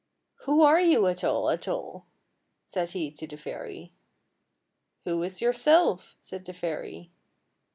" Who are you at all, at all? " said he to the fairy. " Who is yourself? " said the fairy.